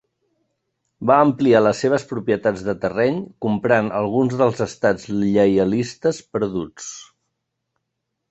Va ampliar les seves propietats de terreny comprant alguns dels estats lleialistes perduts.